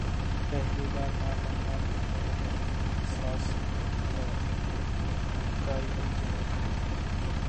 پہلی بار ماں بننا دنیا کا بہترین احساس ہے کایلی جینر